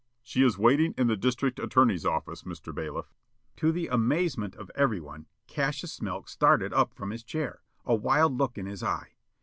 "She is waiting in the District Attorney's office, Mr. Bailiff." To the amazement of every one, Cassius Smilk started up from his chair, a wild look in his eye.